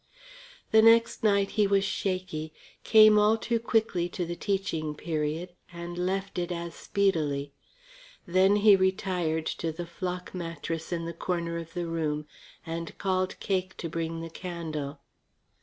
The next night he was shaky, came all too quickly to the teaching period, and left it as speedily. Then he retired to the flock mattress in the corner of the room and called Cake to bring the candle.